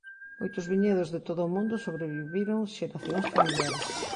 Moitos viñedos de todo o mundo sobreviviron xeracións familiares.